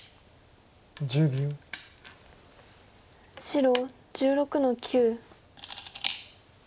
白１６の九。